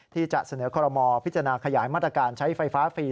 ที่จะเสนอคอรมอลพิจารณาขยายมาตรการใช้ไฟฟ้าฟรี